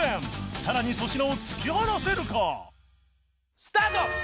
さらに粗品を突き放せるか？スタート！